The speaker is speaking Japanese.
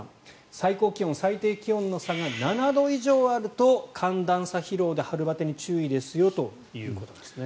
最高気温、最低気温の差が７度以上あると寒暖差疲労で春バテに注意ですよということですね。